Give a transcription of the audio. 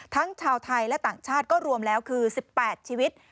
ทั้งชาวไทยและต่างชาติก็รวมแล้วคือ๑๘ชีวิต